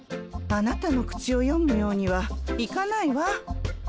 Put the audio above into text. あなたの口を読むようにはいかないわ。